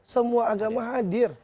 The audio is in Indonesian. semua agama hadir